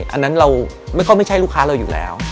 อันนั้นไม่ใช่ลูกค้าเราอยู่แล้ว